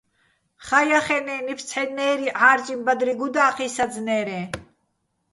ხაჼ ჲახენე́, ნიფს ცჰ̦ენნე́ჲრი, ჺარჭიჼ ბადრი გუდა́ჴიჼ საძნერეჼ.